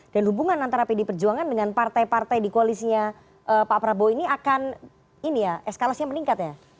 dan hubungan antara pd perjuangan dengan partai partai di koalisinya pak prabowo ini akan eskalasinya meningkat ya